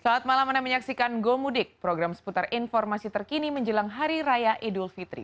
selamat malam anda menyaksikan go mudik program seputar informasi terkini menjelang hari raya idul fitri